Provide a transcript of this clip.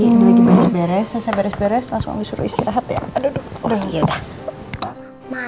saya beres beres langsung ambil suruh istirahat ya